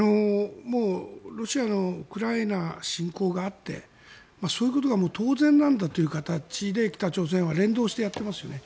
ロシアのウクライナ侵攻があってそういうことが当然なんだという形で北朝鮮は連動してやっていますよね。